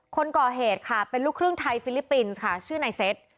คนก่อเหตุค่ะเป็นลูกครึ่งไทยฟิลิปปินส์ค่ะชื่อนายเซ็ต